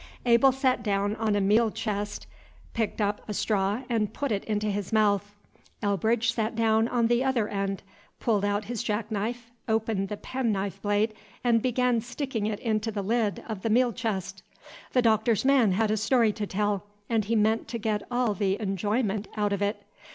Abel sat down on a meal chest, picked up a straw and put it into his mouth. Elbridge sat down at the other end, pulled out his jack knife, opened the penknife blade, and began sticking it into the lid of the meal chest. The Doctor's man had a story to tell, and he meant to get all the enjoyment out of it.